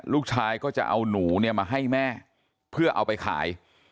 ลูกชายก็จะเอาหนูเนี่ยมาให้แม่เพื่อเอาไปขาย